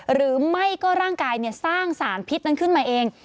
หรือไม่ก็ร่างกายสร้างสารพิษนั้นขึ้นมาเอง